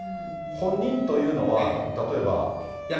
本人というのは、例えば。